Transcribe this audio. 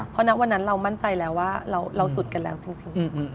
เพราะณวันนั้นเรามั่นใจแล้วว่าเราสุดกันแล้วจริง